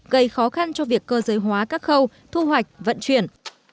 gây khó khăn cho việc cơ giới hóa các khâu thu hoạch vận chuyển